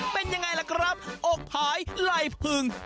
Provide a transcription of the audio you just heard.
เป็นยังไงล่ะครับอกผายไหล่พึง